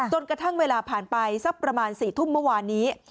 กระทั่งเวลาผ่านไปสักประมาณ๔ทุ่มเมื่อวานนี้